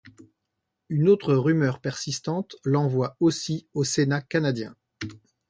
Une autre rumeur persistante l'envoie aussi au sénat canadien.